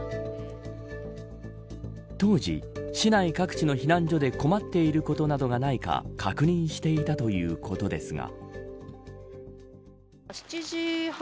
当時、市内各地の避難所で困っていることなどがないか確認していたということですが。